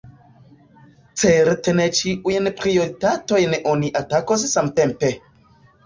Certe ne ĉiujn prioritatojn oni atakos samtempe.